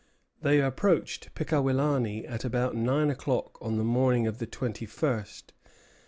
They approached Pickawillany at about nine o'clock on the morning of the twenty first.